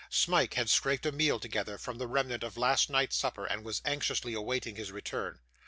Smike had scraped a meal together from the remnant of last night's supper, and was anxiously awaiting his return.